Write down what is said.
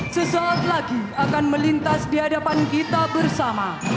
sesaat lagi akan melintas di hadapan kita bersama